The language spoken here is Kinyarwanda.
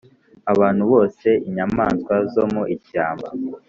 Abantu bose inyamaswa zo mu ishyamba